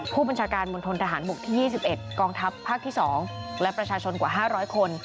ผู้บัญชาการมณฑนทหารบกที่๒๑กองทัพภาคที่๒และประชาชนกว่า๕๐๐คน